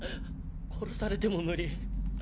殺されても無理。